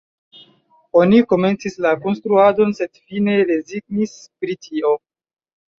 Oni komencis la konstruadon, sed fine rezignis pri tio.